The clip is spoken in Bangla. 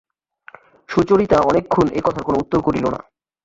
সুচরিতা অনেকক্ষণ এ কথার কোনো উত্তর করিল না।